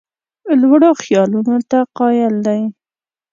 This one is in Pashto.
لوړو خیالونو ته قایل دی.